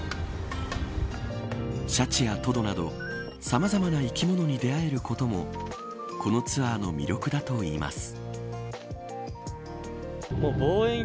シャチやトドなどさまざまな生き物に出会えることもこのツアーの魅力だといいます。